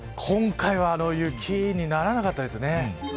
今回は雪にならなかったですね。